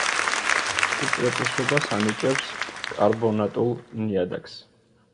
უპირატესობას ანიჭებს კარბონატულ ნიადაგს.